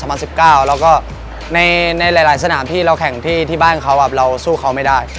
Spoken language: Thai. แล้วก็ในหลายสนามที่เราแข่งที่บ้านเขาเราสู้เขาไม่ได้